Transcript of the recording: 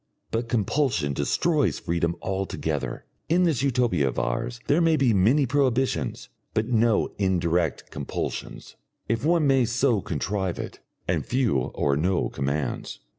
But compulsion destroys freedom altogether. In this Utopia of ours there may be many prohibitions, but no indirect compulsions if one may so contrive it and few or no commands.